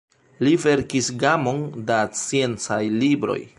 Li verkis gamon da sciencaj libroj.